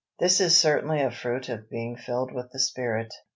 This is certainly a fruit of being filled with the Spirit.